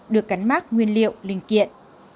được cắn mát nguyên liệu linh kiện